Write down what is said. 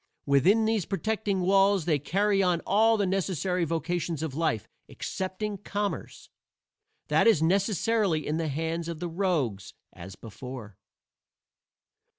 Within these protecting walls they carry on all the necessary vocations of life excepting commerce. That is necessarily in the hands of the rogues, as before."